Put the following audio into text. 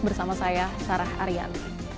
bersama saya sarah aryan